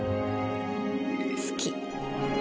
好き。